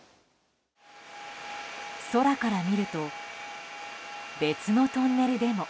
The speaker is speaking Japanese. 空から見ると別のトンネルでも。